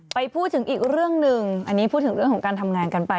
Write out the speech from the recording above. ไปพูดถึงอีกเรื่องหนึ่งอันนี้พูดถึงเรื่องของการทำงานกันไป